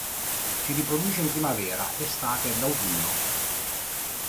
Si riproduce in primavera, estate ed autunno.